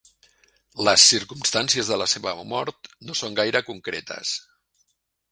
Les circumstàncies de la seva mort no són gaire concretes.